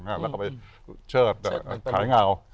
แล้วก็ไปเชิดขายเงา